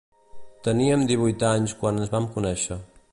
Teníem divuit anys quan ens vam conéixer.